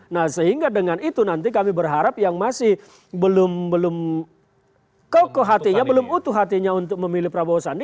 nah sehingga dengan itu nanti kami berharap yang masih belum kokoh hatinya belum utuh hatinya untuk memilih prabowo sandi